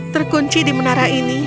terkunci di menara ini